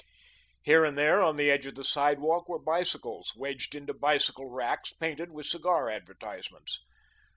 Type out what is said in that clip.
Here and there, on the edge of the sidewalk, were bicycles, wedged into bicycle racks painted with cigar advertisements.